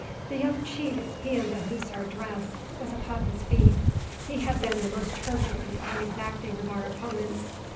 The young chief, he in the hussar dress, was upon his feet. He had been the most turbulent and exacting of our opponents.